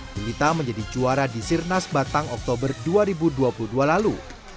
lilita menjadi juara di sirnas batang oktober dua ribu dua puluh dua lalu